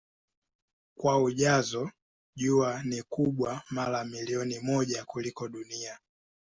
Kwa ujazo Jua ni kubwa mara milioni moja kuliko Dunia.